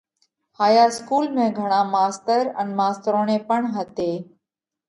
هائيا اِسڪُول ۾ گھڻا ماستر ان ماستروڻي پڻ هتي۔